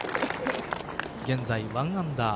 現在１アンダー。